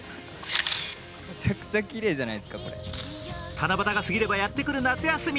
七夕が過ぎればやってくる夏休み。